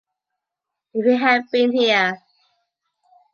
If he had been here.